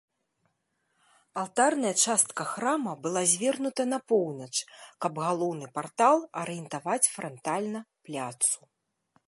Алтарная частка храма была звернута на поўнач, каб галоўны партал арыентаваць франтальна пляцу.